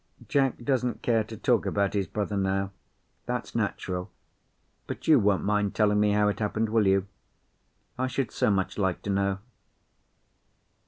"Jack doesn't care to talk about his brother now. That's natural. But you won't mind telling me how it happened, will you? I should so much like to know."